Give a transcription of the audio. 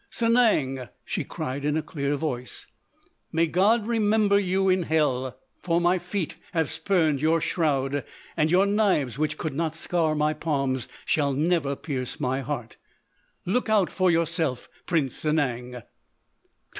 "Sanang!" she cried in a clear voice, "may God remember you in hell, for my feet have spurned your shroud, and your knives, which could not scar my palms, shall never pierce my heart! Look out for yourself, Prince Sanang!"